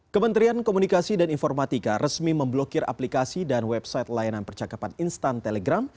kementerian komunikasi dan informatika resmi memblokir aplikasi dan website layanan percakapan instan telegram